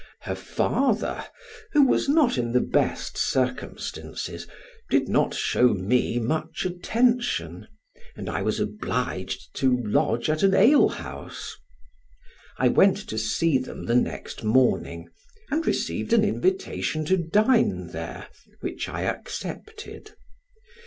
Her father, who was not in the best circumstances, did not show me much attention, and I was obliged to lodge at an alehouse. I went to see them the next morning, and received an invitation to dine there, which I accepted.